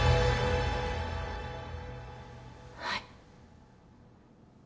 はい？